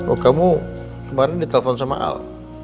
oh kamu kemarin ditelepon sama al